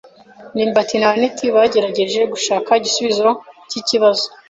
ndimbati na anet bagerageje gushaka igisubizo cyikibazo.